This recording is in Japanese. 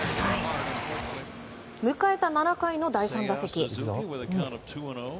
迎えた７回の第３打席。